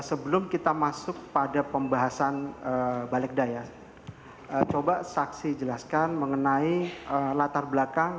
sebelum kita masuk pada pembahasan balegda ya coba saksi jelaskan mengenai latar belakang